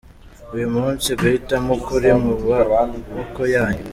Uyu munsi guhitamo kuri mu maboko yanyu.